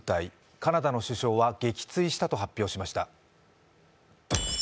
カナダの首相は撃墜したと発表しました。